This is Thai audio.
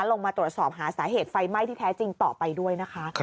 ลงมาตรวจสอบหาสาเหตุไฟไหม้ที่แท้จริงต่อไปด้วยนะคะ